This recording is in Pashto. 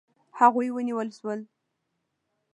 هغوی ونیول شول.